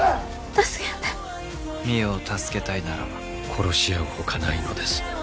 助けて美世を助けたいなら殺し合うほかないのです